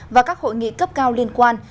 và các hội nghị cấp cao liên quan